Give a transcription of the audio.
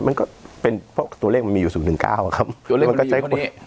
มันก็เป็นเพราะตัวเลขมันมีอยู่๐๑๙ครับตัวเลขมันมีอยู่ตรงนี้